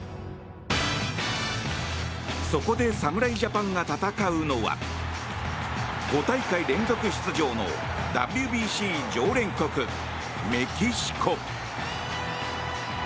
そこで侍ジャパンが戦うのは５大会連続出場のＷＢＣ常連国メキシコ。